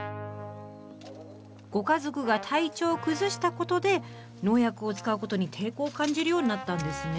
ご家族が体調を崩したことで農薬を使うことに抵抗を感じるようになったんですね。